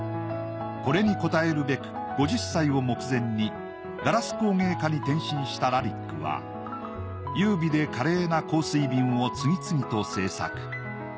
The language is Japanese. これに応えるべく５０歳を目前にガラス工芸家に転身したラリックは優美で華麗な香水瓶を次々と制作。